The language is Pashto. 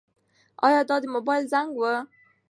ایا دا د موبایل زنګ و؟